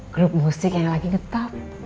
grup musik yang lagi getar